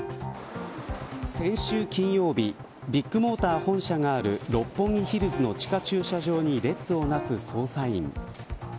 先週金曜日ビッグモーター本社がある六本木ヒルズの地下駐車場に列をなす捜査員。